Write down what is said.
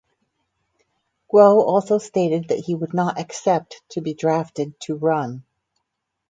Guo also stated that he would not accept to be drafted to run.